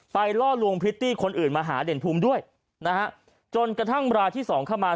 ไปล่อลวงพิธีคนอื่นมาหาเด่นภูมิด้วยจนกระทั่งบราที่๒เข้ามา